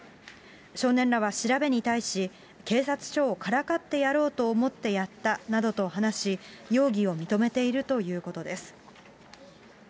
少年らは調べに対し、警察署をからかってやろうと思ってやったなどと話し、容疑を認めているということです。